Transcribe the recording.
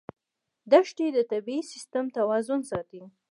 دښتې د طبعي سیسټم توازن ساتي.